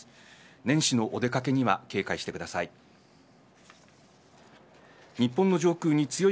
年始のお出掛けには警戒してください。